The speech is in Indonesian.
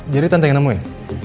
jadi tante yang nemuin